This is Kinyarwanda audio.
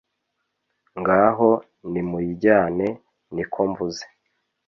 ngaho nimuyijyane nikomvuze